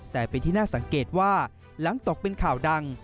แต่เป็นที่น่าสังเกตว่าหลังตกเป็นข่าวดัง